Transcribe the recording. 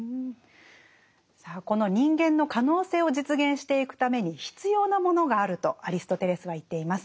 さあこの人間の可能性を実現していくために必要なものがあるとアリストテレスは言っています。